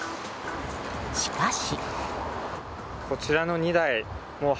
しかし。